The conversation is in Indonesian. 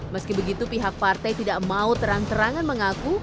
meski begitu pihak partai tidak mau terang terangan mengaku